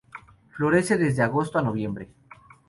Florece desde agosto a noviembre.